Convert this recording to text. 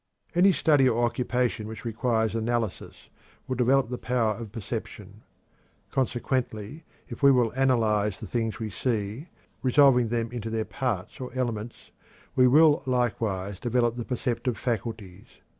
Any study or occupation which requires analysis will develop the power of perception. Consequently, if we will analyze the things we see, resolving them into their parts or elements, we will likewise develop the perceptive faculties.